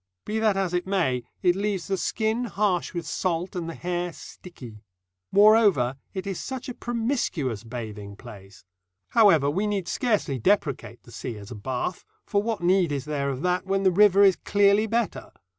Be that as it may, it leaves the skin harsh with salt, and the hair sticky. Moreover, it is such a promiscuous bathing place. However, we need scarcely depreciate the sea as a bath, for what need is there of that when the river is clearly better?